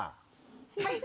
はい。